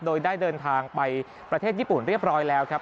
โดยได้เดินทางไปประเทศญี่ปุ่นเรียบร้อยแล้วครับ